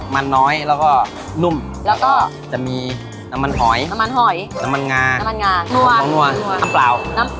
มันน้อยแล้วก็นุ่มแล้วก็จะมีน้ำมันหอยน้ำมันงาน้ำปลาว